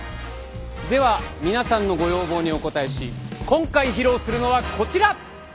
では皆さんのご要望にお応えし今回披露するのはこちら！